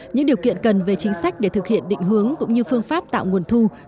những điều kiện cần về chính sách để thực hiện định hướng cũng như phương pháp tạo nguồn thu